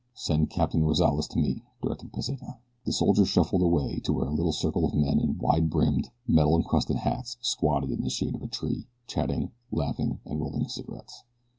"Send Captain Rozales to me," directed Pesita. The soldier shuffled away to where a little circle of men in wide brimmed, metal encrusted hats squatted in the shade of a tree, chatting, laughing, and rolling cigarettes.